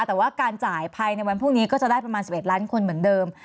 แต่ว่าการจ่ายภายในวันพรุ่งนี้ก็จะได้ประมาณ๑๑ล้านคนเหมือนเดิม